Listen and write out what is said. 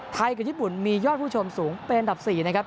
กับญี่ปุ่นมียอดผู้ชมสูงเป็นอันดับ๔นะครับ